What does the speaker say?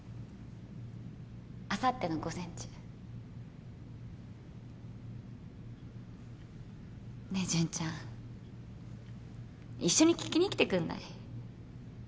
あさっての午前中ねえジュンちゃん一緒に聞きに来てくんない？